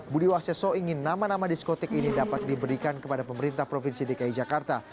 budi waseso ingin nama nama diskotik ini dapat diberikan kepada pemerintah provinsi dki jakarta